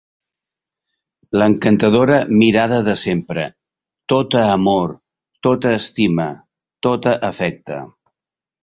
L'encantadora mirada de sempre, tota amor, tota estima, tota afecte.